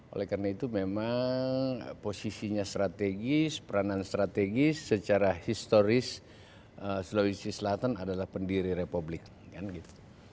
oleh karena itu memang posisinya strategis peranan strategis secara historis sulawesi selatan adalah pendiri republik kan gitu